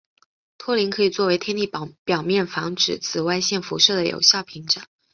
托林可以作为天体表面防止紫外线辐射的有效屏障。